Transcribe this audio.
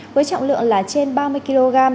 với trọng lượng là trên ba mươi kg